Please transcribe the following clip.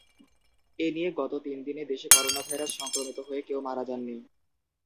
এ নিয়ে গত তিন দিনে দেশে করোনাভাইরাস সংক্রমিত হয়ে কেউ মারা যাননি।